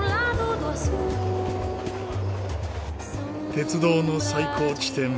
鉄道の最高地点。